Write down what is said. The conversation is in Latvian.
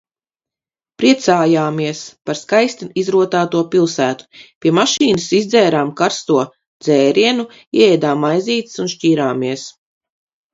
Priecājāmies par skaisti izrotāto pilsētu. Pie mašīnas izdzērām karsto dzērienu, ieēdām maizītes un šķīrāmies.